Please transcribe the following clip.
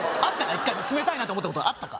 １回でも冷たいなと思ったことあったか？